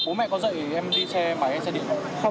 bố mẹ có dạy em đi xe máy hay xe điện không